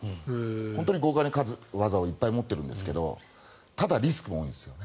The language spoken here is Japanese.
本当に豪快に勝つ技をいっぱい持ってるんですけどただ、リスクも多いです。